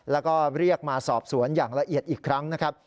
แล้วก็เรียกมาสอบสวนอย่างละเอียดอีกครั้งนะครับ